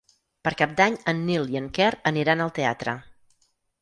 Per Cap d'Any en Nil i en Quer aniran al teatre.